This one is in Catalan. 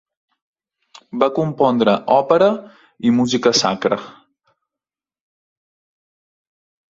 Va compondre òpera i música sacra.